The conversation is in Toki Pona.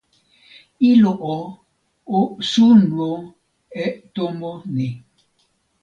ilo o, o suno e tomo ni.